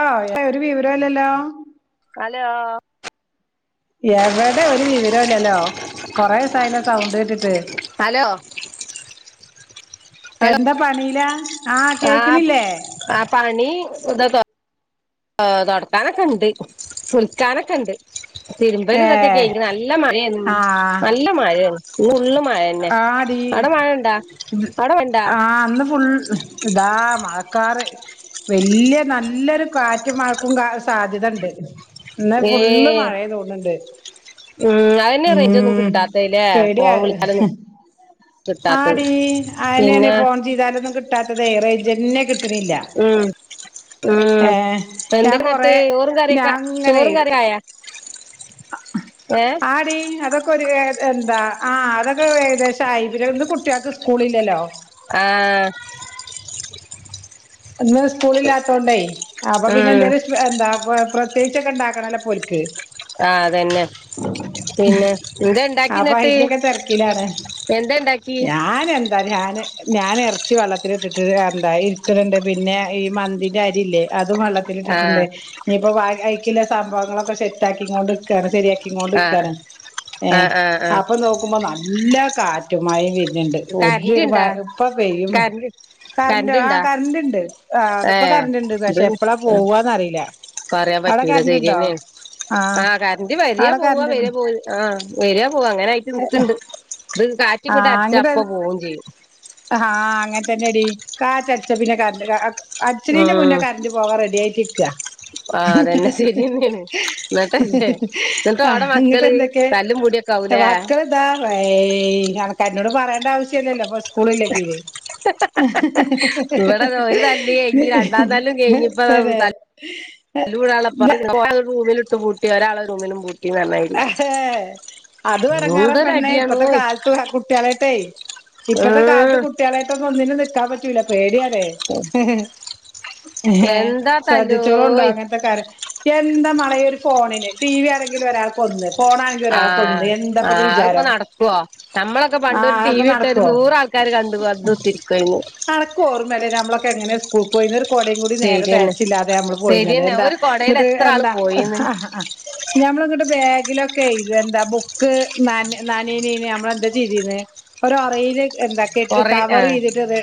ആഹ് ഒരു വിവരല്ലല്ലോ? ഹലോ. എവിടെ ഒരു വിവരം ഇല്ലല്ലോ കൊറെേ ദിവസായല്ല സൗണ്ട് കേട്ടിട്ട്. ഹലോ. ഹലോ എന്താ പണിലാ. ആഹ് ആഹ് പാ പണി തുടക്കാനൊക്കെ ഉണ്ട് കുളിക്കാനൊക്കെ ഉണ്ട്. തിരുമ്പൽ ഇതൊക്കെ ഏഹ് കഴിഞ്ഞു നല്ല മഴ ആഹ് നല്ല മഴാണ്. ഫുള്ള് മഴന്നെ ആടി അട മഴണ്ടാേ അട മഴണ്ടാേ? ആഹ് ഇന്ന് ഫുൾ. ഇതാ മഴക്കാറ്. വല്യ നല്ലൊരു കാറ്റ മഴക്കും കാ സാധ്യതണ്ട്. പിന്നെ ഫുള്ള് ഏഹ് മഴ തോന്ന്ണ്ട്. ഉം അതന്നെ റൈഞ്ച്ന്നും കിട്ടാത്തല്ലേ പേടിയാ ഫോൺ വിളിച്ചാലൊന്നും. കിട്ടാത്തത് ആടി അയനെ ആണ് പിന്നെ ഫോൺ ചെയ്താലൊന്നും കിട്ടാത്തത് റയിജന്നെ കിട്ട- കിട്ട്ണില്ല. ഉം ഉം ഞാൻ എന്തന്നിട്ട് കൊറെ ചോറും കറയൊക്കെ ഞാൻ ഇങ്ങനെ ചോറും കറി ആയോ. ഏഹ് ആടി അതൊക്കെ ഒരുഏ എന്താ ആഹ് അതൊക്കെ ഏകദേശം ആയി കുട്ടിയാൾക്ക് സ്കൂളില്ലല്ലോ. ആഹ് ഇന്ന് സ്കൂളിലാത്തോണ്ടേ അപ്പൊ പിന്നെ ഉം എന്തേലും. എന്താ പ്രത്യേകിച്ചൊക്കെ ഉണ്ടാക്കണല്ല പോല്ക്ക്. ആഹ് അതന്നെ പിന്നെ. എന്താ അപ്പൊ ഇണ്ടാക്കിന്നിട്ട് അയിന്റെയൊക്കെ തിരക്കിലാണ് എന്താ ഇണ്ടാക്കി. എന്താ ഞാൻ ഞാൻ ഇറച്ചി വെള്ളത്തിൽ ഇട്ടിട്ട് എന്താ ഇരിക്കുന്നുണ്ട് പിന്നെ ഈ മന്തിന്റെ അരി ഇല്ലേ? അതും ആ വള്ളത്തിലിട്ടിട്ട്ണ്ട് ഇനിയിപ്പോ വ അയ്ക്കില്ല സംഭവങ്ങളൊക്കെ സെറ്റാക്കിങ്ങൊണ്ട്ക്കാണ് സെരിയാ ആ ക്കികൊണ്ട്ക്കാണ് എ ആ ആ ആ അപ്പ നോക്കുമ്പോ നല്ല കാറ്റുംമഴേം വര്ന്ന്ണ്ട്. ഒര് കറന്റ് പ ഇണ്ടാ പ്പ പെയ്യുംപ കറന്റ് കരന്റോ കറന്റ് ആഹ് ഇണ്ടാ കരന്റ്ണ്ട് ആഹ് ഏ ഇപ്പ കരന്റ്ണ്ട് ഇത് പഷേ എപ്പളാ ആ പോവന്നറിയില. പറയാൻ പറ്റൂല ശെരിയന്നെ ആഹ് കരന്റ് വരിയാ അവിടെ പോവ കറന്റ് ഇണ്ട് വരിയാ പോ ആഹ് വരാ പോവാ അങ്ങനായിട്ട് നിക്ക്‌ണ്ട് ഇത് കാറ്റ് ഇങ്ങട്ടടിച്ചാ അപ്പ അങ്ങട്ട് പോവും ചെയ്യും. ആഹ് അങ്ങനെ തന്നെടി കാറ്റടിച്ചാ പിന്നെ കരണ്ട് കാ അടിച്ചിണിന്റെ മുന്നേ കരണ്ട് പോകാൻ റെഡി ആയിട്ടിരിക്ക ആഹ് അതന്നെ ശെരിയന്നെയാണ് എന്നിട്ടല്ലേ എന്നിട്ട് ആഹ് എവ്ടെ മക്കള് തല്ലും പ്ടി ക്കാവൂലേ. എന്താ വയ് അനക്ക് അന്നോട് പറയണ്ടാവശ്യല്ലല്ലോ പ്പ സ്കൂളില്ലങ്കില് ഇവിടെ ഒരു തല്ല് കഴിഞ്ഞ് രണ്ടാം [unintelligible] തല്ലുകൂടാള്ളപ്പാ റൂമിലിട്ട് പൂട്ടി ഒരാളെ റൂമിലും പൂട്ടി പറഞ്ഞ അതും എടങ്ങേറാ പെണ്ണേ ഇപ്പത്തെ എന്തൊരടിയാണോയ് കാലത്ത് കുട്ടികളേട്ടേ ഇപ്പത്തെ കാലത്ത് ഉം കുട്ടികളായിട്ടൊന്നും ഒന്നിനും നിക്കാൻ പറ്റൂല പേടിയാണ്. എന്താ ശ്രദ്ധിച്ചോളുണ്ടു തല്ലോയ് അങ്ങനത്തെകാര്യം. എന്താ മളെ ഒര് ഫോണിന് ടി വി ആണെങ്കിലോരാൾക്കൊന്ന് ഫോണാണെ ആഹ് ആഹ് അത്പ്പോ നടക്ക്‌വോ നമ്മളൊക്കെ പണ്ട് ആഹ് ഒര് ടി അതൊക്കെ വി ഇട്ടാ ഒര് നടക്കോ നൂറാൾ ക്കാര് കണ്ട് വന്ന് കുത്തിരിക്കായ്മൂ ക്കു ഓർമല്ലേ ഞമ്മളൊക്കെ എങ്ങനെ സ്കൂൾക്ക്‌ പോയിന്ന് ഒര് കോടേം കൂടി നേരെ ശരിയന്നെ തേകച്ചില്ലാതെ നമ്മള് പോയിന്നത് ശരിയന്നെ എന്താ ഒരു കൊടയിൽ ഇങ്ങട്ട് എത്ര ആള് എന്താ പോയിന്ന് ഞമ്മളങ്ങട്ട് ബെഗിലൊക്കെയ് എന്താ ബുക്ക് നാന നാനയ്ണേന് നമ്മളെന്താ ചെയ്തിന്ന്? ഒര് ഒറയില് എന്താ കെട്ട് കൊറേ ആഹ് കവറെയ്തിട്ട് റെ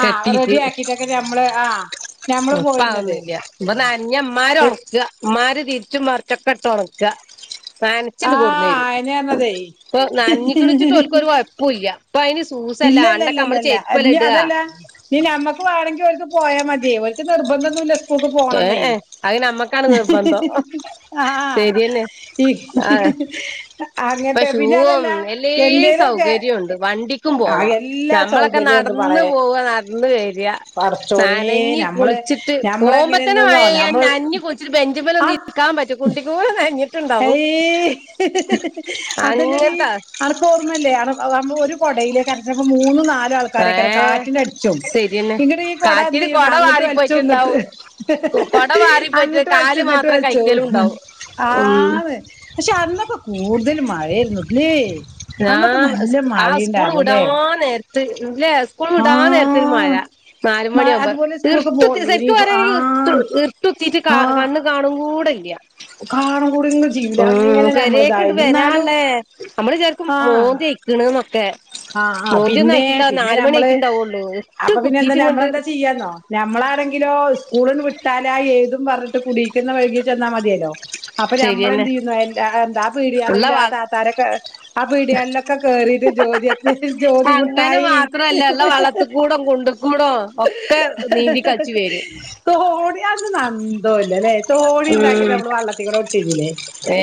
ആഹ് കെട്ടീട്ട് റെഡിയാക്കിട്ടൊക്കെ ഞമ്മള് ആഹ് ഞമ്മള് ഇപ്പ പോയിന്നത് അതൊന്നുല്ല്യ ഇപ്പ നനഞ്ഞ മ്മയിരി ഒണക്ക മ്മാര് തിരിച്ചും മറിച്ചോക്കെട്ട് ഒണക്ക നനച്ചിണ്ട് ആഹ് കൊട്ന്നെരും അയന്നെ പറഞ്ഞതേ പ്പൊ നനഞ്ഞിക്ക്ണ്ച്ചിട്ട് ഓൽക്ക് ‌ ഒര് കൊഴപ്പോല്ല അപ്പൊ അതിന് സ് ഇല്ലല്ല ല്ല ല്ലല്ല ഞ്ഞി അതല്ല ഞ്ഞി ഞമ്മക്ക് വേണങ്കി ഒൽക്ക് പോയാമതി ഓൽക്ക് നിർബന്ധം ഒന്നുല്ല സ് ഏഹേ അത് നമ്മക്കാണ് നിർബന്ധം ആഹ് ശെരിയന്നെ. ഈ ആഹ് പ്പ അങ്ങനത്തെ പിന്നെ ഷുവും അതല്ല എല്ലേ എന്തേലൊക്കെ സൗകര്യം ഒണ്ട് വണ്ടിക്കും ആ പോവാ എല്ലാ നമ്മളൊക്കെ സൗകര്യവും ഉണ്ട് നടന്ന് മളെ പോവാ നടന്ന് വരാ പടച്ചോനെ നനഞ്ഞ് നമ്മള് കുളിച്ചിട്ട്. നമ്മളെങ്ങനെന്നന്നോ നമ്മള് ! ! ! ! ! ! ! ! ! ! ! എയ് അതല്ലടി അങ്ങനത്തെ അനക്ക്‌ ഓർമ്മല്ലേ [unintelligible] ഒരു കൊടയിലേക്കാരം ചെലപ്പോ മൂന്നും നാലും ഏ ആൾക്കാരൊക്കെ കാറ്റിനടിച്ചും ശരിയന്നെ ഇങ്ങട് ഈ കൊടാ എന്ത് കാറ്റിന് ചെയ്യുന്നോ കൊട അങ്ങട്ട് വലിച്ചും ഇങ്ങട്ട് വാടിപ്പോയിട്ടുണ്ടാവും കൊട മാറി പോയിട്ട് അങ്ങട്ട് വൽച്ചും കാല് ഇങ്ങട്ട് മാത്രം വൽച്ചും കൈക്കലും ഉണ്ടാവും ആഹ്. ഉം പഷേ അന്നക്കെ കൂട്തൽ മഴാരുന്നുലേ ഞാ ആഹ് സ്കൂള് വ്ടാൻ നേരത്ത് ല്ലേ സ്കൂൾ വ്ടാൻ നേരത്തൊര് മഴ ആഹ് മ നാലുമണിയാവ്മ്പോ അതുപോലെ സ്കൂൾക്ക് പോ ഇർട്ട്കുത്തി സെരിക്ക് യൂണിഫോ പറയാണങ്കി ഇർട്ട് ആഹ് ഇർട്ടുത്തിട്ട് ക ആഹ് കണ്ണ് കാണുംകൂട്ല്ല്യാ. കാണും കൂടി ഒന്നും ചെയ്യൂല ഉം അങ്ങനെ പെരക്ക്‌ണ്ട് നമ്മളിതായിരുന്നു എന്നാലും വെരാൻള്ളെ നമ്മള് വിജാ ആഹ് മുവന്തിയായ്ക്ക്‌ണ്ന്നൊക്കെ. ആഹ് ആഹ് പിന്നെ പിന്നെ നമ്മള് ആയിട്ടുണ്ടാവുള്ളൂ അപ്പ ഇട്ട് പിന്നെ എന്താ കുത്തിയിട്ട് ഇങ്ങണ്ട് നമ്മളെന്താ ചെയ്യാന്നോ? ഞമ്മളാണെങ്കിലോ സ്കൂളിന്ന് വിട്ടാലായ് ഏഴ്തും പറഞ്ഞിട്ട് കൂടിക്കൊന്ന് വൈകി ചെന്നാ മതിയല്ലോ. അപ്പ ശരിയെന്നെ നമ്മളെന്ത് ചെയ്യ്ന്നൊ എല്ലാ എന്താ ആ ഉള്ള പ്ടിയളില് വ ആ താത്താരൊക്കെ ആ പിടിയാളിലൊക്കെ കേറിട്ട് ജോതി ജോതി അങ്ങനെ മുട്ടായി. മാത്രല്ല ഉള്ള വളത്ത് കൂടം കുണ്ട് കൂടോ ഒക്കെ നീന്തി കളിച്ചു വരും തോണി അന്ന്ന്നും അന്തൊല്ലല്ലേ തോണി ണ്ടാക്കിട്ട് ഉം നമ്മള് വള്ളത്തികൂടെ വിട്ടിര്ന്നില്ലേ? ഏ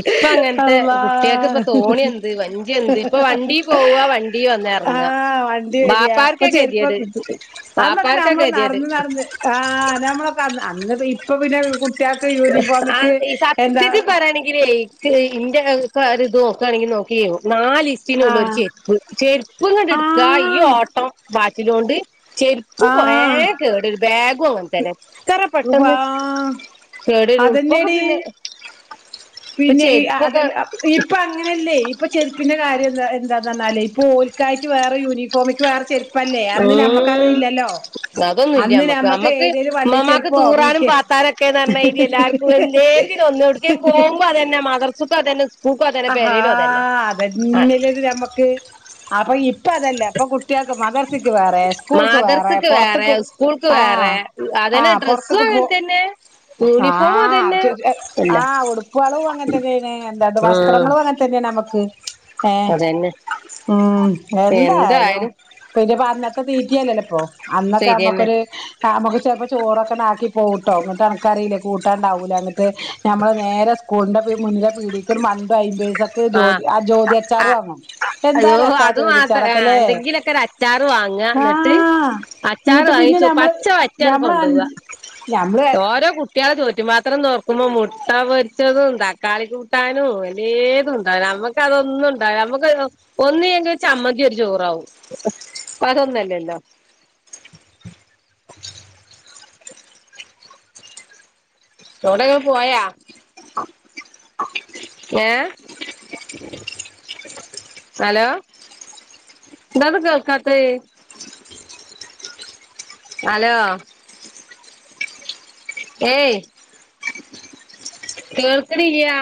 ഇപ്പ അങ്ങനത്തെ അള്ളാ കുട്ടികൾക്ക് ഇപ്പ തോണി എന്ത് വഞ്ചി എന്ത് ഇപ്പൊ വണ്ടി പോവ വണ്ടി വന്ന് ഇറങ്ങ ആഹ് വണ്ടി വരിയാ ഇപ്പൊ ബാപ്പാർക്കാ ഗതികേട് ചെരുപ്പോന്നും അന്നൊക്കെ ബാപ്പാർക്കാ നമ്മൾ ഗതികേട് നടന്ന് നടന്ന് ആഹ് നമ്മളൊക്കെ അന്ന് അന്ന് ഇപ്പൊ പിന്നെ കു ആഹ് ഈ സത്യാത്തിൽ പറയാണെങ്കിലേ ഇന്റെ ഒക്ക ഒര് ദിവസണെങ്കി നോക്കിം നാലീസം ച്ചിനുള്ളൊരു ആഹ് ചെരുപ്പ് ചെരുപ്പ്ങ്ങണ്ട് എടുക്കാ ഈ ആഹ് ഓട്ടം പാച്ചിലോണ്ട് ചെരുപ്പ് കൊറേ ആഹ് കേട് ബാഗും ങ്ങൻതന്നെത്രെ വാ പെട്ടെന്ന് കേട് വരും പ്പോക്കെ പിന്നെ ഇപ്പൊ പിന്നെയ് ചെരുപ്പൊക്കെ അതല്ലാം ഇപ്പൊ അങ്ങനെയല്ലേ ഇപ്പൊ ചെരുപ്പിന്റെ കാര്യം എ എന്താ പറഞാലേ ഇപ്പൊ ഓൽക്കായിട്ട് വേറെ യൂണിഫോമിക്ക് വേറെ ചെരുപ്പ് പ്പല്ലേ അന്ന് നമ്മക്ക്‌ അത് ഇല്ലല്ലോ അതൊന്നുല്ല്യ അന്ന് ഞമ്മക്ക് നമ്മക്ക് മ്മക്ക് ഏതേലും വള്ളി ഉമ്മാമാക്ക് ചെരുപ്പോ തൂറാനും വീക്ക് പാത്താനും ഒക്കെന്ന് പറഞ്ഞഴരി എല്ലാര് എല്ലാത്തിനും ഒന്ന് എവ്ട്കെം പോകുമ്പോ അതന്നെ മദ്ർസ്ക്കും അതന്നെ സ്കൂൾക്കും അതന്നെ അഹാ പെരേലും അതന്നെ അതന്നല്ല ഞമ്മക്ക് അപ്പോ ഇപ്പൊ അതല്ല ഇപ്പൊ കുട്ടിയോൾക്ക് മദർസിക്ക് വേറെ സ്കൂൾക്ക് വേറെ മദർസക്ക് വേറെ പൊർത്ത്ക്ക് സ്കൂൾക്ക് ആഹ് വേറെ അതന്നെ ആഹ് ഡ്രസ്സും പൊർത്ത്ക്ക് പോ അങ്ങനെ തന്നെ യൂണിഫോമും അതന്നെ ആഹ് അല്ല ആഹ് ഉടുപ്പളും അങ്ങൻത്തന്നെണ് എന്താ ഉം വസ്ത്രങ്ങളും അങ്ങെ അങ്ങേൻ തന്നെയാ നമുക്ക് ഏഹ് അതന്നെ ഉം എന്തായാലും പിന്നെപ്പോ അന്നത്തെ തീറ്റിയല്ലല്ലോപ്പോ അന്നൊക്കെ ശരിയന്നെ നമ്മക്കൊരു ആഹ് നമ്മക്ക് ചെലപ്പോ ചോറൊക്കെ ആക്കി പോകൂട്ടോ ന്നിട്ട് അൻക്കറിയില്ലേ കൂട്ടാൻണ്ടാവൂലാന്ന് ന്നിട്ട് ഞമ്മൾ നേരെ സ്കൂൾന്റെ മുന്നിലെ പീടിയെക്ക്‌ മണ്ടും അയിമ്പേസക്ക്നേ ക്ക്‌ ജോതി ആഹ് ജ്യോതി ആ അച്ചാറും വാങ്ങും എന്താ അയ്യോ രസാ അത് ജ്യോതി മാത്രം ആഹ് അച്ചാറൊക്കെല്ലേ എന്തെങ്കിലൊക്കെ ഒരു അച്ചാർ വാങ്ങന്നിട്ട് ആഹ് അച്ചാർ ഇങ്ങിട്ട് പിന്നെ വാങ്ങിച്ചു ഞമ്മള് പച്ച വറ്റാണ് ഞമ്മള് കൊണ്ടോവ അഞ്ച് ഞമ്മള് ഓരോ കു കുട്ടിയാളെ ചോറ്റുപാത്രം തോർക്കുമ്പോ മുട്ട പൊരിച്ചതും തക്കാളി കൂട്ടാനും എല്ലേ ന്നുണ്ടാവൂല നമ്മക്ക അതൊന്നും ഉണ്ടാവൂല നമ്മക്ക് ഒന്നില്ലെങ്കി ഒര് ചമ്മന്തി ഒരു ചോറാവും പ്പോ അതൊന്നല്ലല്ലോ ചൂടക്കെ പോയ ഏഹ് ഹലോ എന്താന്ന് കേൾക്കാത്തെ അലോ ഏയ് കേൾക്ക്‌ണില്ല്യാ